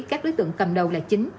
các đối tượng cầm đầu là chính